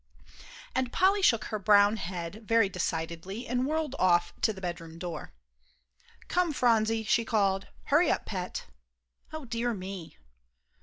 and Polly shook her brown head very decidedly, and whirled off to the bedroom door. "Come, Phronsie," she called, "hurry up, Pet. O dear me!"